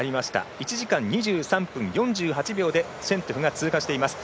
１時間２３分４８秒でシェントゥフが通過しています。